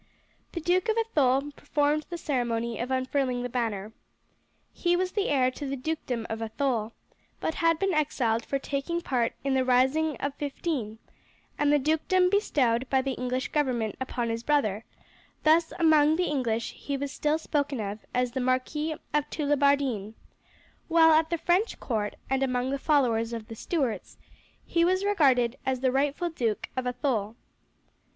The Duke of Athole performed the ceremony of unfurling the banner. He was the heir to the dukedom of Athole, but had been exiled for taking part in the rising of '15 and the dukedom bestowed by the English government upon his brother; thus among the English he was still spoken of as the Marquis of Tullibardine, while at the French court and among the followers of the Stuarts he was regarded as the rightful Duke of Athole.